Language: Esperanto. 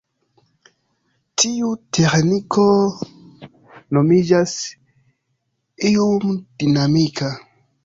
Tiu teĥniko nomiĝas "lum-dinamika".